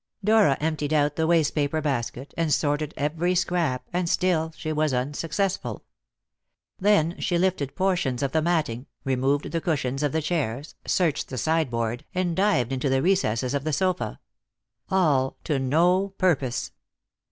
Dora emptied out the wastepaper basket, and sorted every scrap, and still she was unsuccessful. Then she lifted portions of the matting, removed the cushions of the chairs, searched the sideboard, and dived into the recesses of the sofa. All to no purpose.